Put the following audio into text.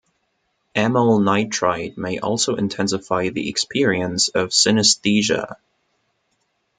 Amyl nitrite may also intensify the experience of synesthesia.